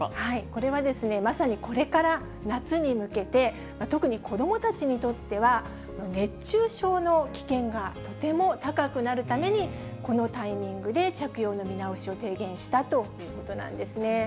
これはまさにこれから夏に向けて、特に子どもたちにとっては、熱中症の危険がとても高くなるために、このタイミングで着用の見直しを提言したということなんですね。